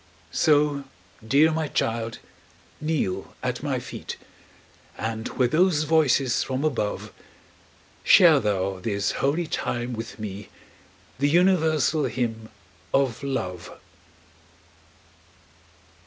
So, dear my child, kneel at my feet, And with those voices from above Share thou this holy time with me, The universal hymn of love.